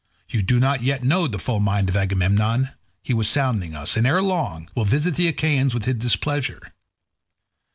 You do not yet know the full mind of Agamemnon; he was sounding us, and ere long will visit the Achaeans with his displeasure.